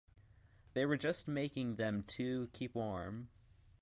They were just making them to keep warm.